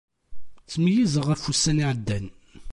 Ttmeyyizeɣ ɣef wussan iɛeddan.